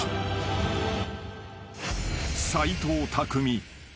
［斎藤工。